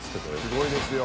すごいですよ。